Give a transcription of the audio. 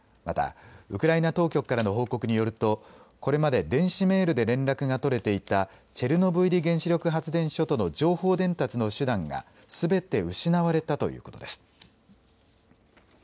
またウクライナ当局からの報告によると、これまで電子メールで連絡が取れていたチェルノブイリ原子力発電所との情報伝達の手段がすべて失われたということです。